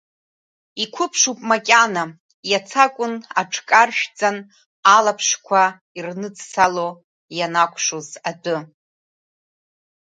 Иқәыԥшуп макьана, иацакәын аҽкаршәӡан, алаԥшқәа ирныӡсало ианакәшоз адәы.